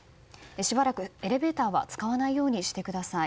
しばらくエレベーターは使わないようにしてください。